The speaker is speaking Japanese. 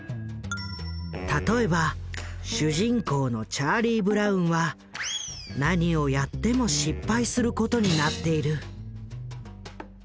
例えば主人公のチャーリー・ブラウンは何をやっても失敗することになっている。